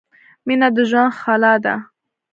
مینه د ژوند ښلا ده